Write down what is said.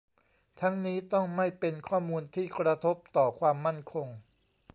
ทั้งนี้ต้องไม่เป็นข้อมูลที่กระทบต่อความมั่นคง